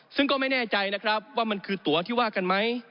ซึ่งก็ไม่แน่ใจนะครับว่ามันคือตัวที่ว่ากันไหม